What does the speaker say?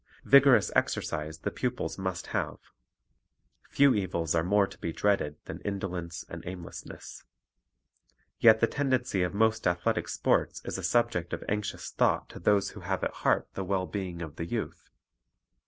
Vigorous exercise the pupils must have. Few evils are more to be dreaded than indolence and aim lessness. Yet the tendency of most athletic sports is a subject of anxious thought to those who have at heart the well being of the youth.